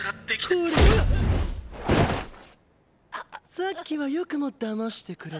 さっきはよくも騙してくれたね。